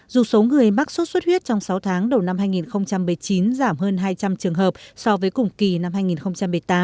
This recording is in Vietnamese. dù số người mắc sốt suốt huyết trong sáu tháng đầu năm hai nghìn bảy mươi chín giảm hơn hai trăm linh trường hợp so với cùng kỳ năm hai nghìn bảy mươi chín